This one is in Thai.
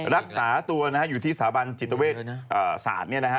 รักษาตัวนะฮะอยู่ที่สถาบันจิตเวชศาสตร์เนี่ยนะฮะ